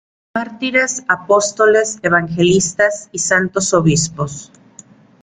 Mártires, Apóstoles, Evangelistas y Santos Obispos.